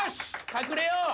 隠れよう。